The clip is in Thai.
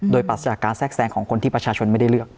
โดยปรัสจากการแทรกแซงของคนที่ประชาชนไม่ได้เลือก